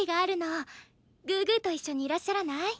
グーグーと一緒にいらっしゃらない？